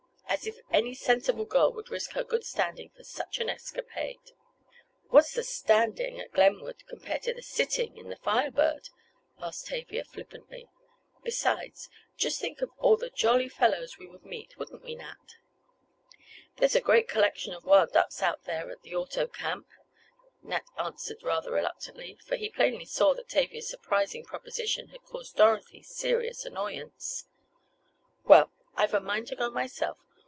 As if any sensible girl would risk her good standing for such an escapade!" "What's the 'standing' at Glenwood compared to the 'sitting' in the Fire Bird?" asked Tavia flippantly. "Besides, just think of all the jolly fellows we would meet; wouldn't we, Nat?" "There's a great collection of wild ducks out there at the auto camp," Nat answered rather reluctantly, for he plainly saw that Tavia's surprising proposition had caused Dorothy serious annoyance. "Well, I've a mind to go myself.